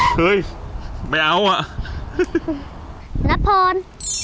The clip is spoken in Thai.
เฮ้ยไม่เอาอ่ะนัฐพร